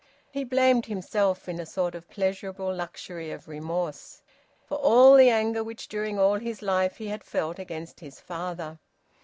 He blamed himself, in a sort of pleasurable luxury of remorse, for all the anger which during all his life he had felt against his father.